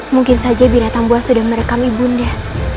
mungkin saja bira tambua sudah merekam ibu indah